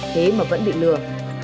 thế mà vẫn bị lừa